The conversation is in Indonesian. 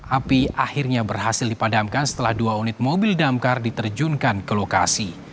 api akhirnya berhasil dipadamkan setelah dua unit mobil damkar diterjunkan ke lokasi